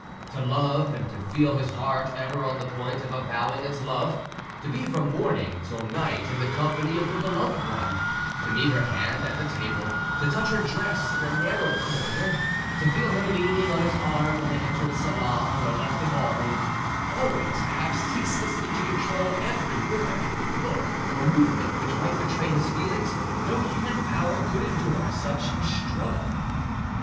To love and to feel his heart ever on the point of avowing its love, to be from morning till night in the company of the beloved one, to meet her hand at the table, to touch her dress in a narrow corridor, to feel her leaning on his arm when they entered a salon or left a ballroom, always to have ceaselessly to control every word, look, or movement which might betray his feelings, no human power could endure such a struggle.